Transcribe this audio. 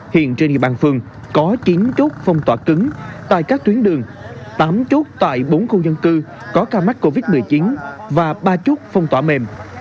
hiện trên địa bàn phường có chín chốt phong tỏa cứng tại các tuyến đường tám chốt tại bốn khu dân cư có ca mắc covid một mươi chín và ba chút phong tỏa mềm